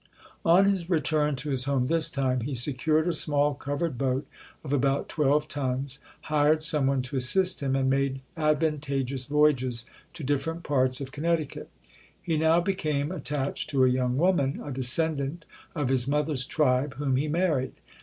On his return to his home this time, he secured a small covered boat of about twelve tons, hired PAUL CUFFE [ 255 some one to assist him, and made advantageous voyages to different parts of Connecticut. He now became attached to a young woman a descendant of his mother's tribe whom he mar ried.